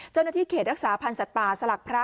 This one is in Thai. เจ้าหน้าที่เขตรักษาพันธ์สัตว์ป่าสลักพระ